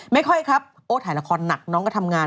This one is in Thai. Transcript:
ไม่ค่อยครับโอ้ถ่ายละครหนักน้องก็ทำงาน